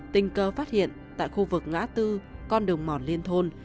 tình cờ phát hiện tại khu vực ngã tư con đường mòn liên thôn